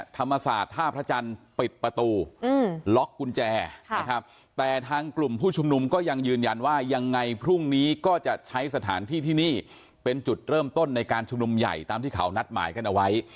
ธรรมศาสตร์ท่าพระจันทร์ปิดประตูล็อกกุญแจนะครับแต่ทางกลุ่มผู้ชุมนุมก็ยังยืนยันว่ายังไงพรุ่งนี้ก็จะใช้สถานที่ที่นี่เป็นจุดเริ่มต้นในการชุมนุมใหญ่ตามที่เขานัดหมายกันเอาไว้